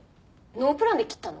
ノープランで切ったの？